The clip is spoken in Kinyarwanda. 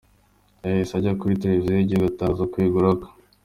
Yahise ajya kuri Televiziyo y’igihugu atangaza kwegura kwe